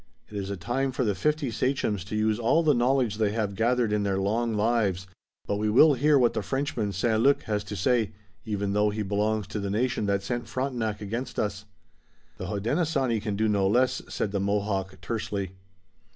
It is a time for the fifty sachems to use all the knowledge they have gathered in their long lives, but we will hear what the Frenchman, St. Luc, has to say, even though he belongs to the nation that sent Frontenac against us." "The Hodenosaunee can do no less," said the Mohawk, tersely.